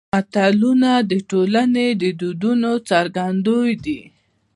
متلونه د ټولنې د دودونو څرګندوی دي